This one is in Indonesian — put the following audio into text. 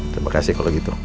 terima kasih kalau gitu